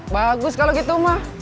bagus kalau gitu mah